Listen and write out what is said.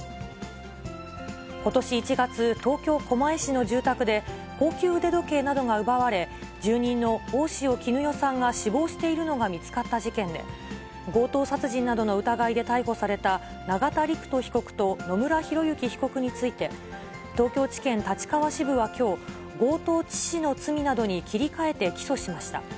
ことし１月、東京・狛江市の住宅で、高級腕時計などが奪われ、住人の大塩衣与さんが死亡しているのが見つかった事件で、強盗殺人などの疑いで逮捕された、永田陸人被告と野村広之被告について、東京地検立川支部はきょう、強盗致死の罪などに切り替えて起訴しました。